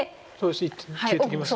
消えていきますよね。